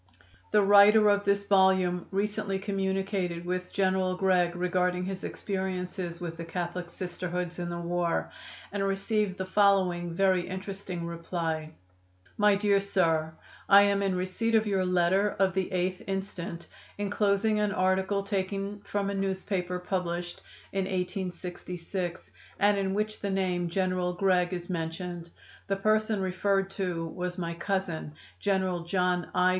The writer of this volume recently communicated with General Gregg regarding his experiences with the Catholic Sisterhoods in the war, and received the following very interesting reply: "My Dear Sir: I am in receipt of your letter of the 8th instant, inclosing an article taking from a newspaper published in 1866, and in which the name 'General Gregg' is mentioned. The person referred to was my cousin, General John I.